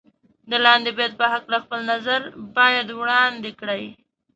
د لاندې بیت په هکله خپل نظر باید وړاندې کړئ.